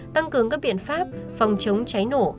tăng cường các biện pháp phòng chống cháy nổ